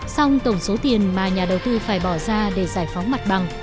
xong tổng số tiền mà nhà đầu tư phải bỏ ra để giải phóng mặt bằng